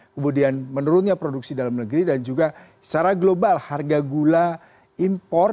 kemudian menurunnya produksi dalam negeri dan juga secara global harga gula impor